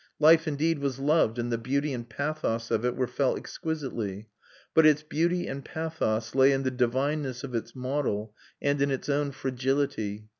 Life indeed was loved, and the beauty and pathos of it were felt exquisitely; but its beauty and pathos lay in the divineness of its model and in its own fragility.